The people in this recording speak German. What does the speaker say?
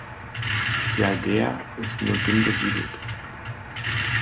Die Aldeia ist nur dünn besiedelt.